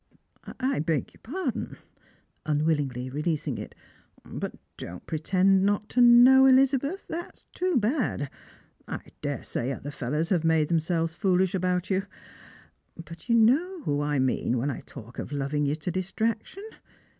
" I beg your pardon," unwillingly releasing it. " But don't pretend not to know, Elizabeth ; that is too bad. I dare say other fellows have made themselves foolish about you ; but you know who I mean when I talk of loving you to distraction.